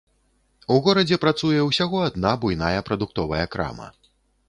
У горадзе працуе ўсяго адна буйная прадуктовая крама.